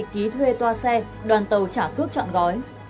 ký thuê toa xe đoàn tàu trả cước chọn gói